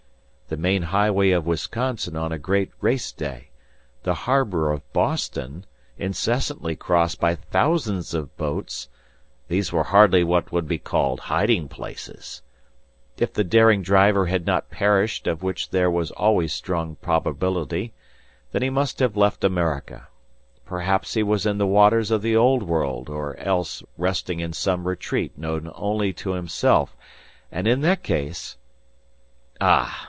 The main highway of Wisconsin on a great race day, the harbor of Boston, incessantly crossed by thousands of boats, these were hardly what would be called hiding places! If the daring driver had not perished of which there was always strong probability; then he must have left America. Perhaps he was in the waters of the Old World, or else resting in some retreat known only to himself, and in that case— "Ah!"